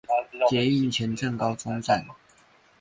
捷運前鎮高中站